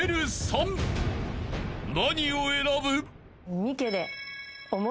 ［何を選ぶ？］